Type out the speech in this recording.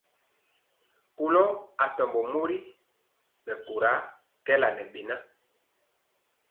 Kɔlo atɔmbɔ mori mɛkóra kɛɛla ŋɛ beŋa.